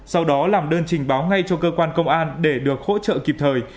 sau đó làm đơn trình báo ngay cho cơ quan công an để được hỗ trợ kịp thời